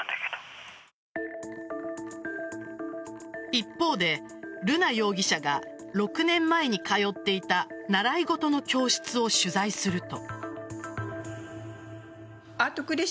一方で、瑠奈容疑者が６年前に通っていた習い事の教室を取材すると。